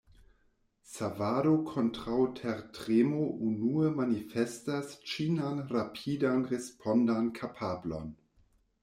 Savado kontraŭ tertremo unue manifestas ĉinan rapidan respondan kapablon.